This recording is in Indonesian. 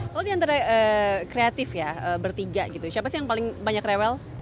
kalau di antara kreatif ya bertiga gitu siapa sih yang paling banyak rewel